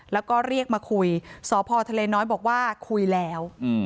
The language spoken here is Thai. แล้วก็เรียกมาคุยสพทะเลน้อยบอกว่าคุยแล้ว